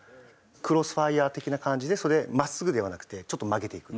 クロスファイア的な感じで真っすぐではなくてちょっと曲げていくとか。